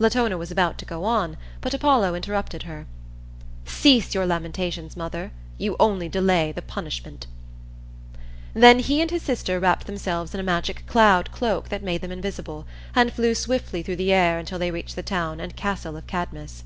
Latona was about to go on, but Apollo interrupted her: "Cease your lamentations, mother; you only delay the punishment." Then he and his sister wrapped themselves in a magic cloud cloak that made them invisible, and flew swiftly through the air until they reached the town and castle of Cadmus.